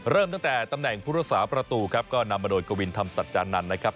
เริ่มตั้งแต่ตำแหน่งผู้รักษาประตูครับก็นำมาโดยกวินธรรมสัจจานันทร์นะครับ